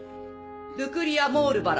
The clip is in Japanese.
ルクリア・モールバラ。